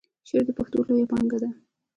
شعر د پښتو لویه پانګه ده.